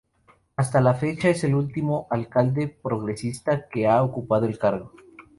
Hasta la fecha es el último alcalde progresista que ha ocupado el cargo.